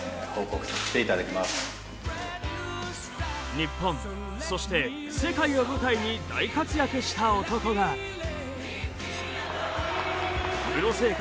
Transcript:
日本そして世界を舞台に大活躍した男がプロ生活